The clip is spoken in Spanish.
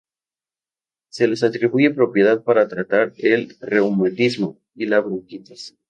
Se les atribuye propiedad para tratar el reumatismo y la bronquitis.